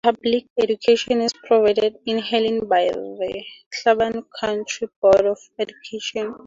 Public education is provided in Heflin by the Cleburne County Board of Education.